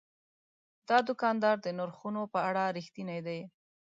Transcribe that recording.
دا دوکاندار د نرخونو په اړه رښتینی دی.